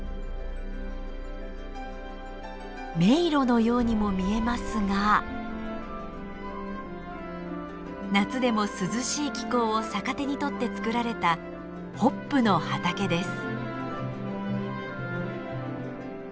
迷路のようにも見えますが夏でも涼しい気候を逆手に取って作られたホップの畑です。